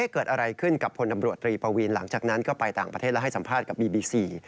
เกิดอะไรขึ้นกับพลตำรวจตรีปวีนหลังจากนั้นก็ไปต่างประเทศแล้วให้สัมภาษณ์กับบีบีซี